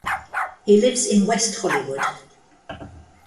He lives in West Hollywood.